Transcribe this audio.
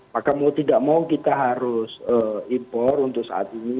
maka mau tidak mau kita harus impor untuk saat ini